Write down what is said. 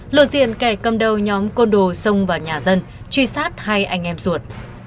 lột diện kẻ cầm đầu nhóm con đồ sông và nhà dân truy sát hai anh em ruột